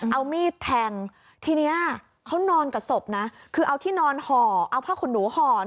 เอามีดแทงทีเนี้ยเขานอนกับศพนะคือเอาที่นอนห่อเอาผ้าขนหนูห่อ